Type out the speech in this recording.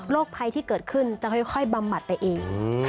ภัยที่เกิดขึ้นจะค่อยบำบัดไปเอง